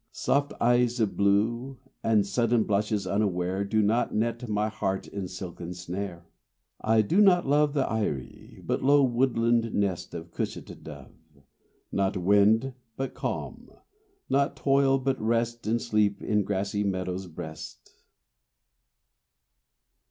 Soft eyes of blue And sudden blushes unaware Do net my heart in silken snare. I do not love The eyrie, but low woodland nest Of cushat dove: Not wind, but calm; not toil, but rest And sleep in grassy meadow's breast.